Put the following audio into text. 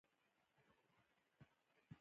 هغې د مور پریکړه په ناچارۍ ومنله